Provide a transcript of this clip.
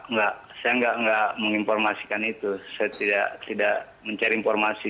enggak saya nggak menginformasikan itu saya tidak mencari informasi